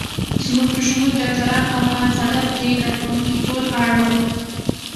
زموږ په شمول ډاکټران او آن ساده روغتیايي کارکوونکي ټول اړ ول.